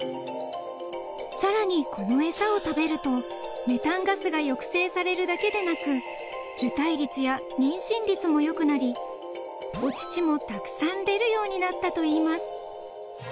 ［さらにこの餌を食べるとメタンガスが抑制されるだけでなく受胎率や妊娠率も良くなりお乳もたくさん出るようになったといいます］